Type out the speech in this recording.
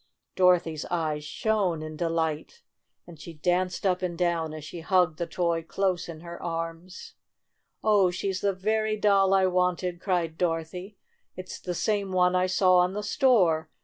Dorothy's eyes shone in delight, and she 58 STORY OP A SAWDUST DOLL' danced up and down as she hugged the toy close in her arms. "Oh, she's the very doll I wanted !" cried Dorothy. "It's the same one I saw in the store!